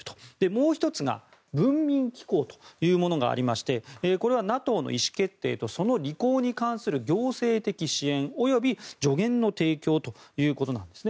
もう１つ、文民機構というものがありましてこれはＮＡＴＯの意思決定とその履行に関する行政的支援及び助言の提供ということです。